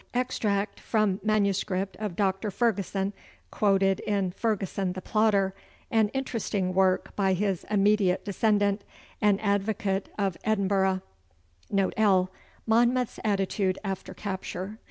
Extract from MS. of Dr. Ferguson, quoted in 'Ferguson the Plotter,' an interesting work by his immediate descendant, an advocate of Edinburgh. Note L. Monmouth's Attitude after Capture.